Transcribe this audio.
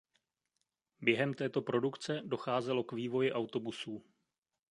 Během této produkce docházelo k vývoji autobusů.